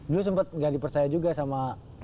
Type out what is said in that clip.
dulu sempet gak dipercaya juga sama